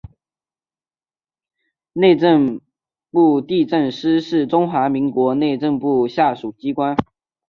内政部地政司是中华民国内政部下属机关。